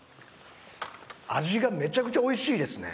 味がめちゃくちゃ美味しいですね。